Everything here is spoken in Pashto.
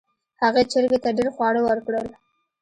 هغې چرګې ته ډیر خواړه ورکړل.